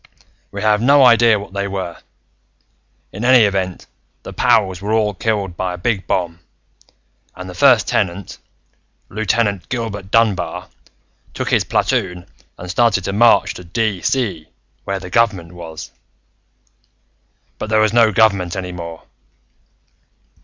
We have no idea what they were. In any event, the pows were all killed by a big bomb, and the First Tenant, Lieutenant Gilbert Dunbar, took his platoon and started to march to DeeCee, where the government was. "But there was no government any more.